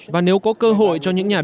và nếu có cơ hội cho những nhà nước